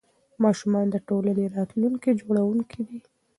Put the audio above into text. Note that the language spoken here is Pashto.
ماشومان د ټولنې راتلونکي جوړوونکي دي.